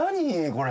これ。